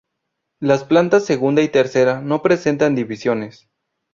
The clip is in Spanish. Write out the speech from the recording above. Las plantas segunda y tercera no presentan divisiones.